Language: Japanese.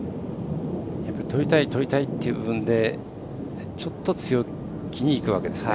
とりたい、とりたいっていう部分でちょっと強気にいくわけですね。